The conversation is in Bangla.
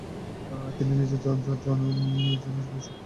তিনি নিজের যৌন জীবনের সক্রিয় নিয়ন্ত্রণ নিয়েছিলেন।